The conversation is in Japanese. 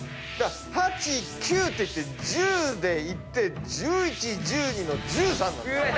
８９っていって１０でいって１１１２１３なんです。